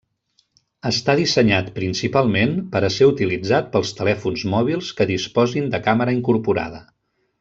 Està dissenyat principalment per a ser utilitzat pels telèfons mòbils que disposin de càmera incorporada.